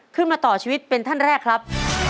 ขึ้นมาต่อชีวิตเป็นท่านแรกครับ